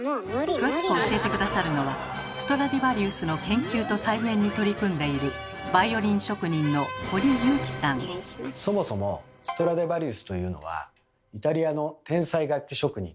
詳しく教えて下さるのはストラディヴァリウスの研究と再現に取り組んでいるそもそもストラディヴァリウスというのはイタリアの天才楽器職人